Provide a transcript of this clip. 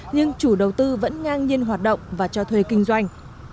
nhưng chủ đầu tư vẫn ngang nhiên hoạt động và cho thuê kinh doanh